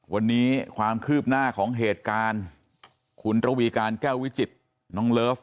วันนี้ความคืบหน้าของเหตุการณ์คุณระวีการแก้ววิจิตรน้องเลิฟ